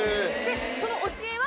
その教えは。